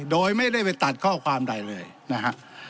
โดยไม่ได้ไปตัดข้อความใดเลยนะฮะ